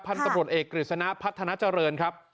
ตำรวจเอกกฤษณะพัฒนาเจริญครับ